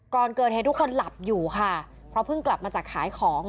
ก่อนเกิดเหตุทุกคนหลับอยู่ค่ะเพราะเพิ่งกลับมาจากขายของ